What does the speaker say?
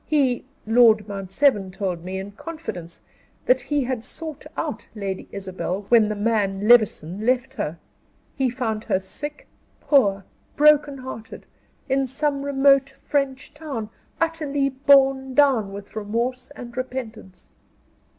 He Lord Mount Severn told me, in confidence, that he had sought out Lady Isabel when the man, Levison, left her; he found her sick, poor, broken hearted, in some remote French town, utterly borne down with remorse and repentance."